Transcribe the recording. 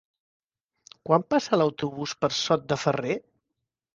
Quan passa l'autobús per Sot de Ferrer?